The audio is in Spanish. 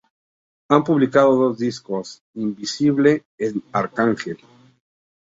Han publicado dos discos, "Invincible" and "Archangel".